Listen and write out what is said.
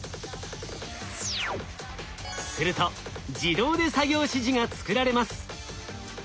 すると自動で作業指示が作られます。